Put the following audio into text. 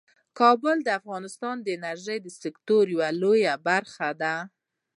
کابل د افغانستان د انرژۍ د سکتور یوه لویه برخه ده.